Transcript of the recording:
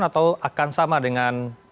atau akan sama dengan